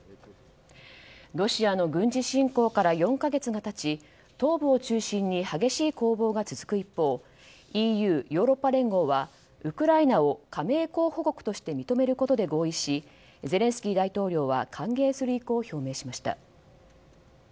ロシアの軍事侵攻から４か月が経ち東部を中心に激しい攻防が続く一方ＥＵ・ヨーロッパ連合はウクライナを加盟候補国として認めることで合意しゼレンスキー大統領は歓迎する意向を表明しました。